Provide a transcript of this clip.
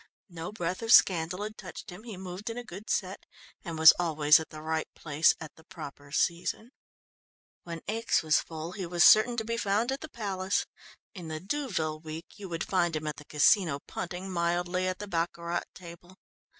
No breath of scandal had touched him, he moved in a good set and was always at the right place at the proper season. When Aix was full he was certain to be found at the Palace, in the Deauville week you would find him at the Casino punting mildly at the baccarat table.